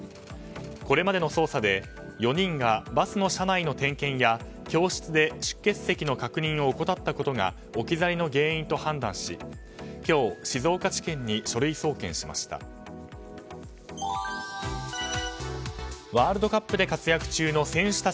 これまでの捜査で４人がバスの車内の点検や教室で出欠席の確認を怠ったことが置き去りの原因と判断し今日、静岡地検に書類送検しました。